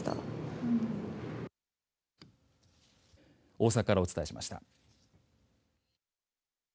大阪からお伝えしました。